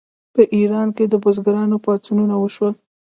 په ایران کې د بزګرانو پاڅونونه وشول.